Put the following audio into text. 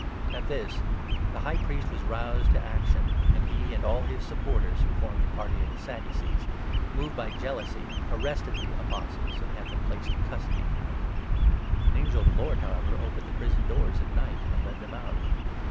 At this the High Priest was roused to action, 17 .totm'again an^ ne an^ all his supporters (who formed the before party of the Sadducees), moved by jealousy, the council, arrested the Apostles, and had them placed in 18 custody. An angel of the Lord, however, opened the 19 prison doors at night and led them out.